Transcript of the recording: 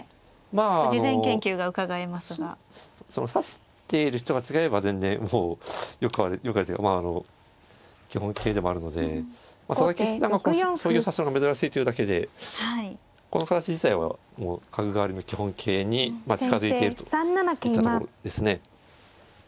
まああの指している人が違えば全然もうよくある手まああの基本型でもあるので佐々木七段がそういう指すのが珍しいというだけでこの形自体は角換わりの基本型に近づいているといったところですね。